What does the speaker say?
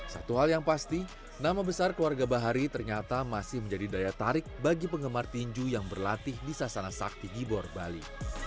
satu hal yang pasti nama besar keluarga bahari ternyata masih menjadi daya tarik bagi penggemar tinju yang berlatih di sasana sakti gibor bali